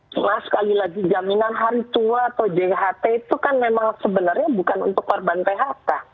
cuma sekali lagi jaminan hari tua atau jht itu kan memang sebenarnya bukan untuk korban phk